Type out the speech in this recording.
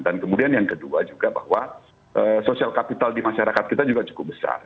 dan kemudian yang kedua juga bahwa sosial kapital di masyarakat kita juga cukup besar